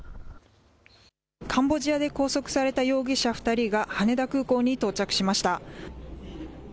カンボジアで拘束された容疑者２人が、羽田空港に到着しまし